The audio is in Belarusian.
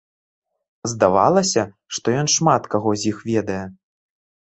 Здавалася, што ён шмат каго з іх ведае.